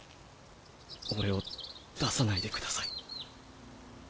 俺を出さないでください。